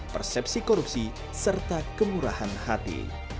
persepsi korupsi serta kemurahan hati